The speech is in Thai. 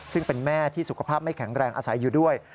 ซึ่งเป็นแม่ที่สุขภาพไม่แข็งแรงอาศัยอยู่ด้วย